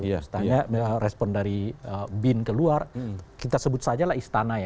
misalnya respon dari bin keluar kita sebut sajalah istana ya